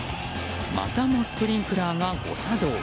またしてもスプリンクラーが誤作動。